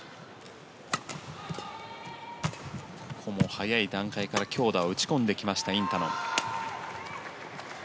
早い段階から強打を打ち込んできたインタノン。